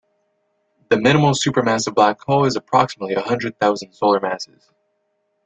The minimal supermassive black hole is approximately a hundred thousand solar masses.